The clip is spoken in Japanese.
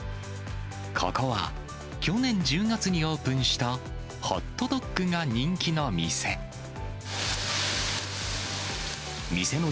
ここは去年１０月にオープンしたホットドッグが人気の店。